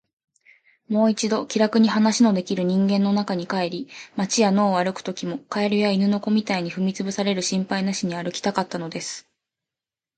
もう一度、気らくに話のできる人間の中に帰り、街や野を歩くときも、蛙や犬の子みたいに踏みつぶされる心配なしに歩きたかったのです。